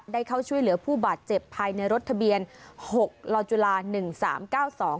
ได้เข้าช่วยเหลือผู้บาดเจ็บภายในรถทะเบียนหกลอจุฬาหนึ่งสามเก้าสอง